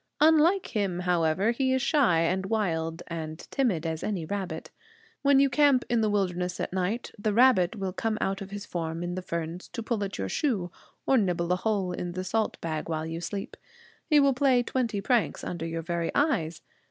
Unlike him, however, he is shy and wild, and timid as any rabbit. When you camp in the wilderness at night, the rabbit will come out of his form in the ferns to pull at your shoe, or nibble a hole in the salt bag, while you sleep. He will play twenty pranks under your very eyes.